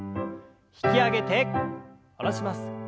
引き上げて下ろします。